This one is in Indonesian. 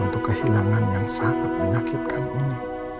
untuk kehilangan yang sangat menyakitkan ini